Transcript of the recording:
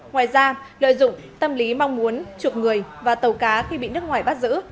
ngoài ra lợi dụng tâm lý mong muốn trục người và tàu cá khi bị nước ngoài bắt giữ